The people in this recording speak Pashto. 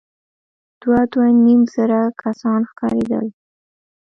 دوه ، دوه نيم زره کسان ښکارېدل.